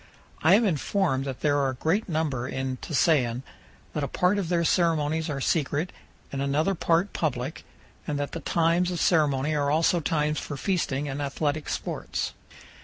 I am informed that there are a great number in Tusayan, that a part of their ceremonies are secret and another part public, and that the times of ceremony are also times for feasting and athletic sports.